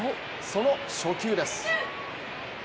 その初球です。